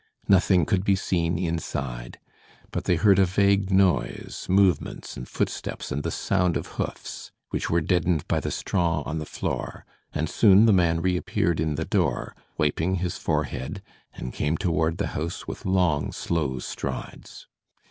Nothing could be seen inside, but they heard a vague noise, movements and footsteps and the sound of hoofs, which were deadened by the straw on the floor, and soon the man reappeared in the door, wiping his forehead, and came toward the house with long, slow strides.